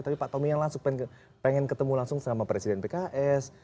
tapi pak tommy yang langsung pengen ketemu langsung sama presiden pks